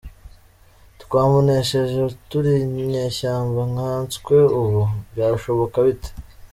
Twamunesheje turi inyeshyamba nkanswe ubu, byashoboka bite?”.